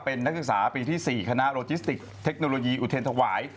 เป็นนักศึกษาปีที่๔คณะโรจิสติกเทคโนโลยีอุเทรนธวาย